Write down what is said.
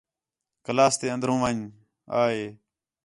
کلاس تے اندر ون٘ڄ آ ہے